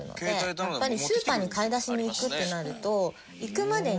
やっぱりスーパーに買い出しに行くってなると行くまでに。